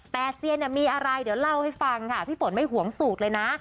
แต่เซียนมีอะไรเดี๋ยวเล่าให้ฟังค่ะพี่ฝนไม่หวงสูตรเลยนะ